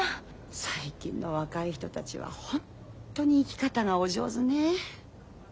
最近の若い人たちはホントに生き方がお上手ね。